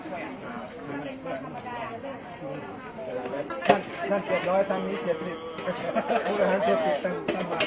กล้วยสุเตอร์และกล้วยหาม